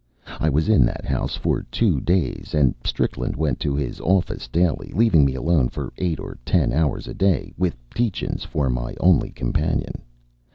I was in that house for two days, and Strickland went to his office daily, leaving me alone for eight or ten hours a day, with Tietjens for my only companion.